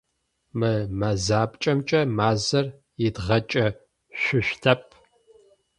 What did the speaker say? Мы мэзапкӏэмкӏэ мазэр идгъэкӏышъущтэп.